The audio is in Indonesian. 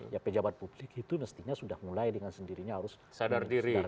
ya pejabat publik itu mestinya sudah mulai dengan sendirinya harus sadar diri